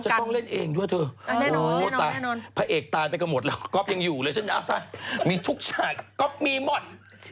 ลูกอร่องเล่นเองด้วยเถอะพระเอกตายไปกันหมดแล้วก๊อบยังอยู่เลยมีทุกช่างก๊อบมีหมด